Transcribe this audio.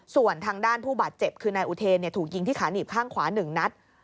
ส่วนทางด้านผู้บาดเจ็บคือนายอุเทนถูกยิงที่ขาหนีบข้างขวา๑นัด